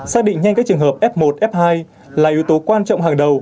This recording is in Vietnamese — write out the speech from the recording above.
xác định nhanh các trường hợp f một f hai là yếu tố quan trọng hàng đầu